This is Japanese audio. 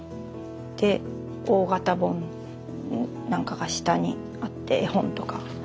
で大型本なんかが下にあって絵本とか。